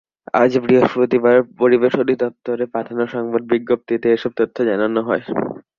আজ বৃহস্পতিবার পরিবেশ অধিদপ্তরে পাঠানো সংবাদ বিজ্ঞপ্তিতে এসব তথ্য জানানো হয়।